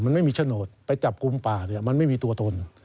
มันไม่มีโฉนดไปจับกลุ่มป่าเนี่ยมันไม่มีตัวตน